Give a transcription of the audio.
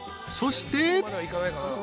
そして］